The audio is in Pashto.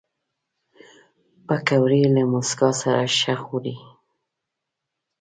پکورې له موسکا سره ښه خوري